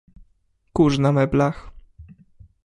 "Kurz na meblach."